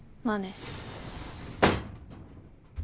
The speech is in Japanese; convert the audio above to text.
まあね。